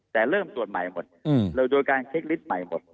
แต่เริ่มตรวจใหม่หมดโดยการเช็คลิตรใหม่หมด